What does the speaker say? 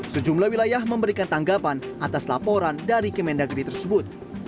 sejumlah wilayah memberikan tanggapan atas laporan dari kemendagri tersebut